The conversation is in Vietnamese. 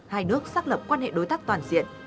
hai nước xác lập quan hệ đối tác toàn diện